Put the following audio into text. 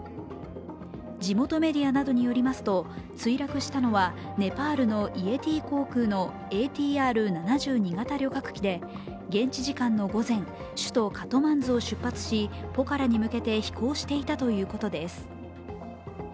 地元メディアなどによりますと墜落したのはネパールのイエティ航空のＡＴＲ７２型旅客機で現地時間の午前、首都カトマンズを出発し、ポカラに向けて飛行していたということです。